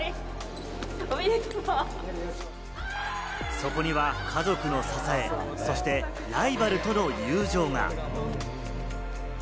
そこには家族の支え、そしてライバルとの友情が。